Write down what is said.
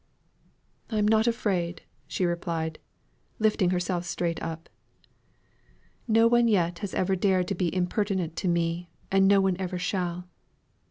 "I am not afraid," she replied, lifting herself straight up. "No one yet has ever dared to be impertinent to me, and no one ever shall.